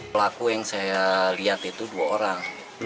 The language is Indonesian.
pelaku yang saya lihat itu dua orang